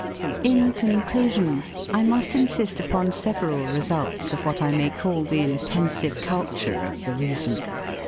In conclusion, I must insist upon several results of what I may call the 'intensive culture' of the reason.